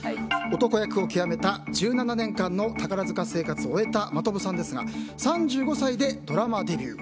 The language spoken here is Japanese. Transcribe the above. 男役を極めた１７年間の宝塚生活を終えた真飛さんですが３５歳でドラマデビュー。